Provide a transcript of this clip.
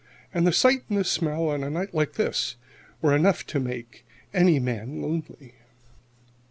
And the sight and the smell, on a night like this, were enough to make any man lonely.